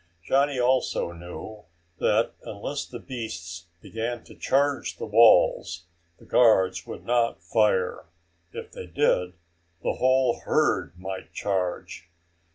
Johnny also knew that unless the beasts began to charge the walls, the guards would not fire. If they did, the whole herd might charge.